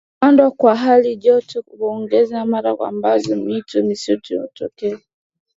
Kupanda kwa hali joto huongeza mara ambazo mioto ya msituni hutokea